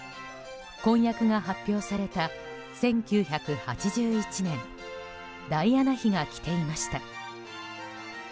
婚約が発表された１９８１年ダイアナ妃が着ていました。